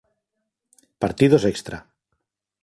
Partidos extra